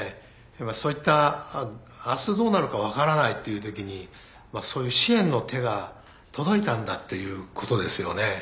そういった明日どうなるか分からないっていう時にそういう支援の手が届いたんだっていうことですよね。